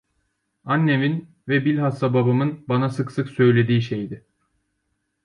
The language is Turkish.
Annemin ve bilhassa babamın bana sık sık söylediği şeydi.